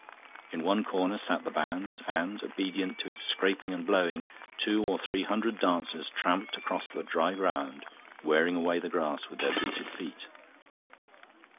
In one corner sat the band, and, obedient to its scraping and blowing, two or three hundred dancers trampled across the dry ground, wearing away the grass with their booted feet.